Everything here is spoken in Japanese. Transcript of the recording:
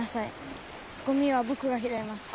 ゴミはぼくがひろいますから。